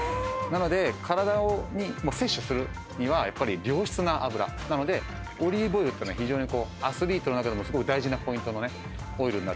なので体に摂取するには良質な油なのでオリーブオイルって非常にアスリートの中でもすごい大事なポイントのねオイルになってますんで。